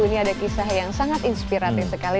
ini ada kisah yang sangat inspiratif sekali